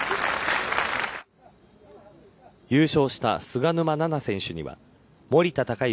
優勝した菅沼菜々選手には森田隆之